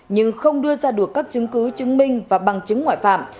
nhưng không đưa ra được các chứng cứ chứng minh và bằng chứng ngoại phạm